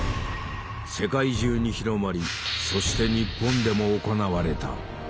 世界中に広まりそして日本でも行われた。